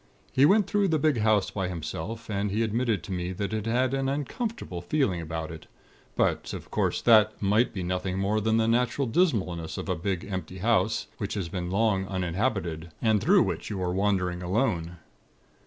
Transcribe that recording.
He went through the big house by himself, and he admitted to me that it had an uncomfortable feeling about it; but, of course, that might be nothing more than the natural dismalness of a big, empty house, which has been long uninhabited, and through which you are wandering alone.